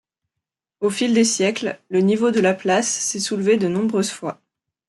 Au fil des siècles, le niveau de la place s'est soulevé de nombreuses fois.